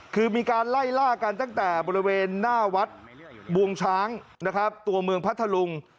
คือมีการไล่ล่ากันตั้งแต่บริเวณหน้าวัดบวงช้างนะครับตัวเมืองพัทธลุง